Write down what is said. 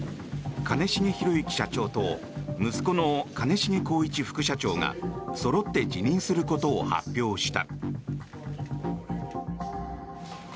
兼重宏行社長と息子の兼重宏一副社長がそろって辞任することを発表した。